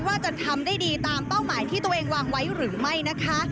ว่าจะทำได้ดีตามเป้าหมายที่ตัวเองวางไว้หรือไม่นะคะ